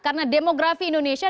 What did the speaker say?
karena demografi indonesia